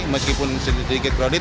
meskipun sedikit prodit